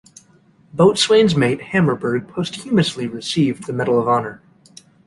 Boatswain's Mate Hammerberg posthumously received the Medal of Honor.